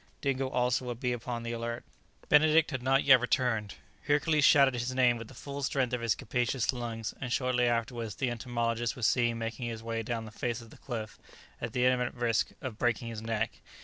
Dingo also would be upon the alert. Benedict had not yet returned. Hercules shouted his name with the full strength of his capacious lungs, and shortly afterwards the entomologist was seen making his way down the face of the cliff at the imminent risk of breaking his neck.